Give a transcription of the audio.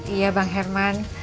iya bang herman